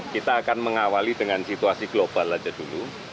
kita akan mengawali dengan situasi global aja dulu